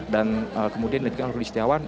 dan kemudian dia bilang rudy setiawan